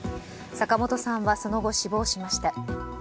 坂本さんはその後、死亡しました。